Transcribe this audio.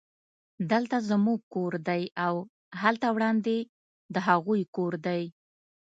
دلته زموږ کور دی او هلته وړاندې د هغوی کور دی